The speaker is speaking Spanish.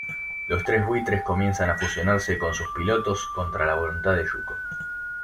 Los tres buitres comienzan a fusionarse con sus pilotos, contra la voluntad de Yuko.